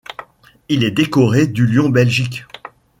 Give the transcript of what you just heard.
Il est décoré du Lion Belgique.